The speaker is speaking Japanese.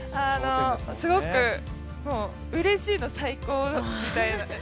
すごくうれしいの最高みたいな。